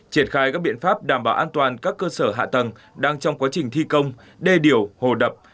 triển khai các biện pháp đảm bảo an toàn các cơ sở hạ tầng đang trong quá trình thi công đê điều hồ đập